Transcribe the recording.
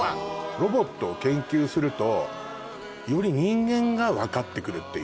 ロボットを研究するとより人間が分かってくるっていう。